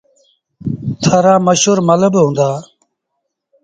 ٿر رآ مشهور مله با هُݩدآ۔